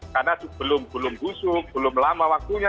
karena belum busuk belum lama waktunya